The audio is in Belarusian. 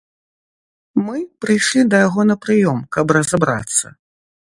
Мы прыйшлі да яго на прыём, каб разабрацца.